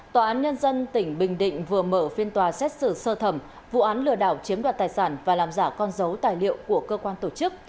tòa án nhân dân tỉnh bình định vừa mở phiên tòa xét xử sơ thẩm vụ án lừa đảo chiếm đoạt tài sản và làm giả con dấu tài liệu của cơ quan tổ chức